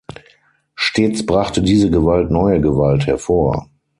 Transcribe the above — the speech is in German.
Stets brachte diese Gewalt neue Gewalt hervor.